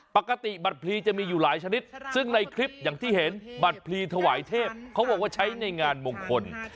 ปกติบัตรพลีจะมีอยู่หลายชนิดซึ่งในคลิปอย่างที่เห็นบัตรพลีถวายเทพเขาบอกว่าใช้ในงานมงคล